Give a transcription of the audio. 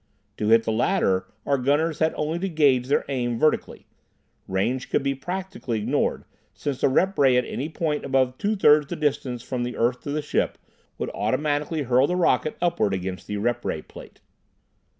To hit the latter, our gunners had only to gauge their aim vertically. Range could be practically ignored, since the rep ray at any point above two thirds the distance from the earth to the ship would automatically hurl the rocket upward against the rep ray plate.